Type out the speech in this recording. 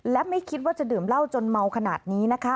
และไม่คิดว่าจะดื่มเหล้าจนเมาขนาดนี้นะคะ